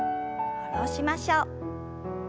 下ろしましょう。